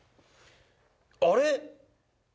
あれ？